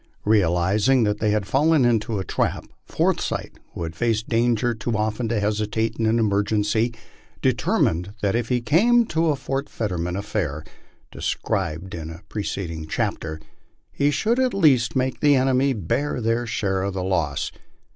Realizing that they had fallen into a trap, Forsyth, who had faced danger too often to hesitate in an emergency, deter mined that if it came to a Fort Fetterman affair, described in a preceding chap ter, he should at least make the enemy bear their share of the loss.